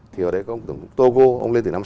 thì ở đây có một tổng thống togo ông lên từ năm sáu bảy